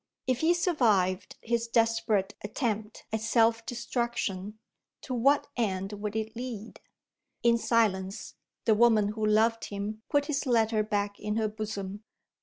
If he survived his desperate attempt at self destruction, to what end would it lead? In silence, the woman who loved him put his letter back in her bosom.